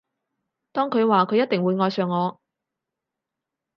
當佢話佢一定會愛上我